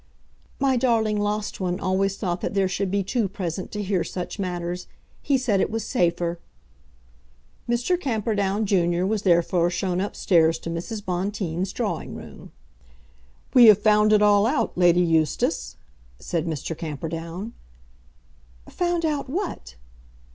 "My darling lost one always thought that there should be two present to hear such matters. He said it was safer." Mr. Camperdown, junior, was therefore shown upstairs to Mrs. Bonteen's drawing room. "We have found it all out, Lady Eustace," said Mr. Camperdown. "Found out what?"